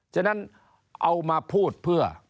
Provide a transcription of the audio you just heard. ฉะนั้นเอามาพูดเพื่อ